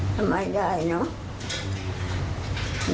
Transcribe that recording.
ทำไมได้เนาะ